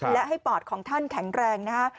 และให้ปอดของท่านแข็งแรงนะฮะ